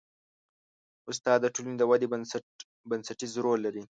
استاد د ټولنې د ودې بنسټیز رول لري.